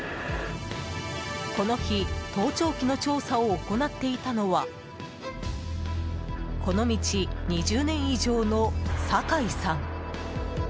この日盗聴器の調査を行っていたのはこの道２０年以上の酒井さん。